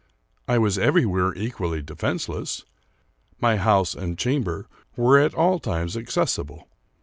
I was everywhere equally defenseless. My house and chamber were at all times accessible.